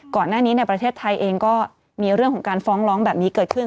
ก่อนหน้านี้ในประเทศไทยเองก็มีเรื่องของการฟ้องร้องแบบนี้เกิดขึ้น